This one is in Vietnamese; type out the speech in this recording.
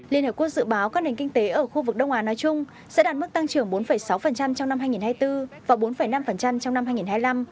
liên hợp quốc dự báo các nền kinh tế ở khu vực đông á nói chung sẽ đạt mức tăng trưởng bốn sáu trong năm hai nghìn hai mươi bốn và bốn năm trong năm hai nghìn hai mươi năm